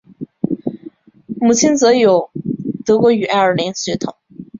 母亲则有德国与爱尔兰血统